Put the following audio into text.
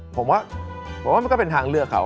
ผมว่าผมว่ามันก็เป็นทางเลือกเขา